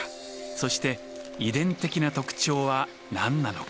そして遺伝的な特徴は何なのか？